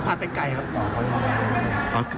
ก็พาไปไก่ครับ